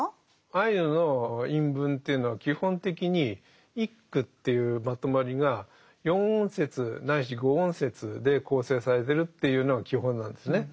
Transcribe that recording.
アイヌの韻文というのは基本的に一句というまとまりが４音節ないし５音節で構成されてるというのが基本なんですね。